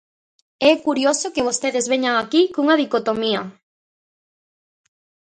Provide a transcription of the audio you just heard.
E é curioso que vostedes veñan aquí cunha dicotomía.